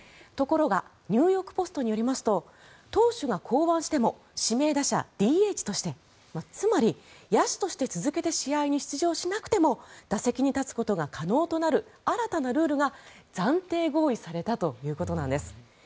ところがニューヨーク・ポストによりますと投手が降板しても指名打者、ＤＨとしてつまり、野手として続けて試合に出場しなくても打席に立つことが可能となる新たなルールが暫定合意されたということなんです。